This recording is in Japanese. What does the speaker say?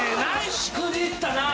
しくじったな！